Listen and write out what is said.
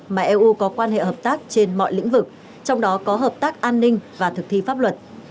mà eu có quan hệ hợp tác trên mọi lĩnh vực trong đó có hợp tác an ninh và thực thi pháp luật